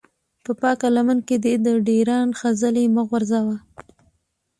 په پاکه لمن کې دې د ډېران خځلې مه غورځوه.